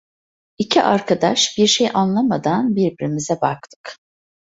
İki arkadaş bir şey anlamadan birbirimize baktık.